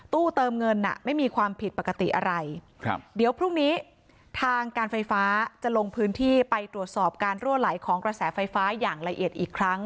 เติมเงินน่ะไม่มีความผิดปกติอะไรครับเดี๋ยวพรุ่งนี้ทางการไฟฟ้าจะลงพื้นที่ไปตรวจสอบการรั่วไหลของกระแสไฟฟ้าอย่างละเอียดอีกครั้ง